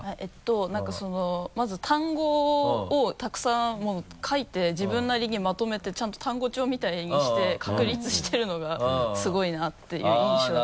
何かまず単語をたくさん書いて自分なりにまとめてちゃんと単語帳みたいにして確立してるのがすごいなっていう印象です。